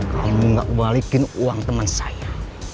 kamu gak balikin uang teman saya